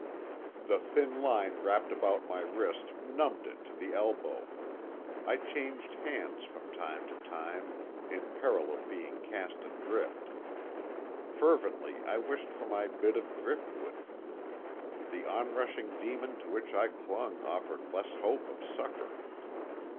The thin line wrapped about my wrist numbed it to the elbow; I changed hands from time to time, in peril of being cast adrift. Fervently I wished for my bit of driftwood. The on rushing demon to which I clung offered less hope of succor.